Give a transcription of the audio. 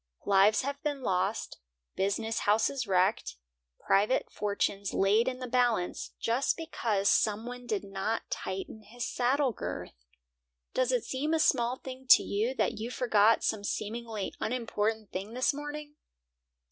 Lives have been lost, business houses wrecked, private fortunes laid in the balance, just because some one did not tighten his saddle girth! Does it seem a small thing to you that you forgot some seemingly unimportant thing this morning?